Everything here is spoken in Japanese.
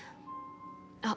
あっ。